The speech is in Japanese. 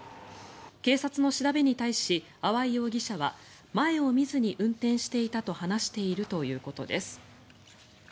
警察の調べに対し粟井容疑者は前を見ずに運転していたと話しているということです。